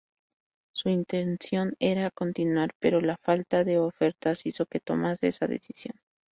Su intención era continuar pero la falta de ofertas hizo que tomase esa decisión.